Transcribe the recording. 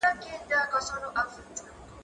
هغه وويل چي تمرين مهم دي!؟